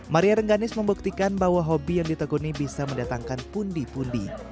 maria rengganis membuktikan bahwa hobi yang ditekuni bisa mendatangkan pundi pundi